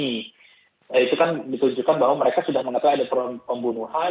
nah itu kan ditunjukkan bahwa mereka sudah mengetahui ada pembunuhan